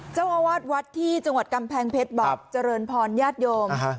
เจ้าอาวาสวัดที่จังหวัดกำแพงเพชรบอกเจริญพรญาติโยม